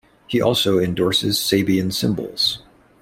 He also endorses Sabian cymbals.